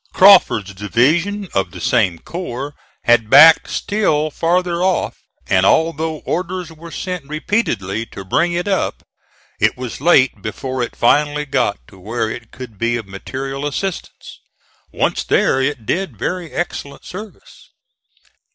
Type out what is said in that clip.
Crawford's division of the same corps had backed still farther off, and although orders were sent repeatedly to bring it up, it was late before it finally got to where it could be of material assistance. Once there it did very excellent service.